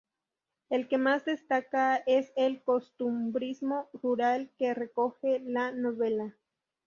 El que más destaca es el costumbrismo rural que recoge la novela.